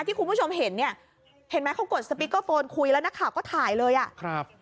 ที่คุณผู้ชมเห็นเนี่ยเห็นไหมเขากดสปิกเกอร์โฟนคุยแล้วนักข่าวก็ถ่ายเลยอ่ะครับ